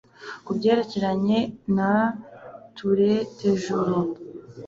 Kubyerekeranye na turrethejuru